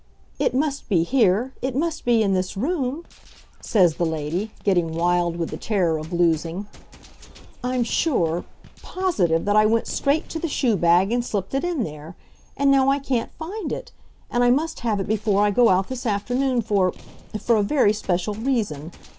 "It must be here it must be in this room," says the lady, getting wild with the terror of losing. "I'm sure positive that I went straight to the shoe bag and slipped it in there. And now I can't find it, and I must have it before I go out this afternoon for for a very special reason.